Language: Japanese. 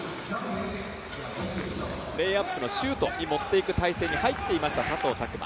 レイアップのシュートに持っていく体勢に入っていました佐藤卓磨。